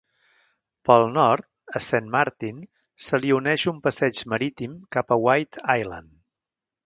Pel nord, a Saint Martin se li uneix un passeig marítim cap a White Island.